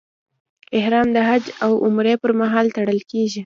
احرام د حج او عمرې پر مهال تړل کېږي.